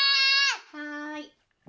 はい。